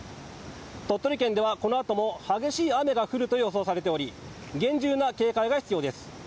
鳥取県ではこのあとも激しい雨が降ると予想されており厳重な警戒が必要です。